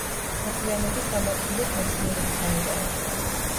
მოგვიანებით ამ ადგილით მეცნიერები დაინტერესდნენ.